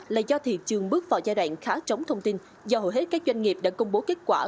là do thị trường bước vào giai đoạn khá trống thông tin do hầu hết các doanh nghiệp đã công bố kết quả